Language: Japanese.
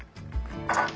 あ。